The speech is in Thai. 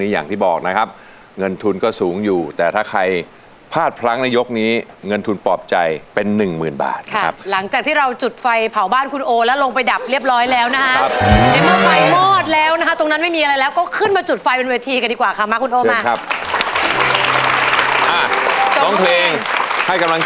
อ๋อยังครับยังให้เขาเดินหันหลังไปก่อนครับแล้วค่อยอย่างเงี้ย